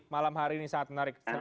malam hari ini sangat menarik